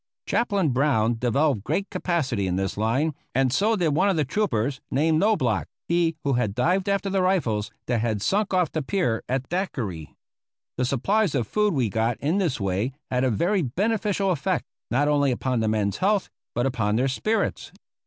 Chaplain Brown developed great capacity in this line, and so did one of the troopers named Knoblauch, he who had dived after the rifles that had sunk off the pier at Daiquiri. The supplies of food we got in this way had a very beneficial effect, not only upon the men's health, but upon their spirits.